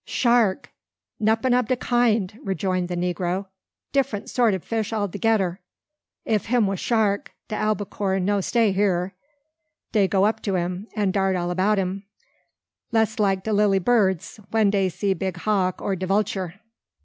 "Shark! nuffin ob de kind," rejoined the negro; "diff'rent sort ob fish altogedder. If him wa shark, de albacore no stay hyar. Dey go up to him, and dart all 'bout im, jess like de lilly birds when dey see big hawk or de vulture.